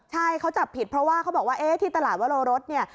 ใช่เขาจับผิดเพราะว่าที่ตลาดวรรณรถเนี่ย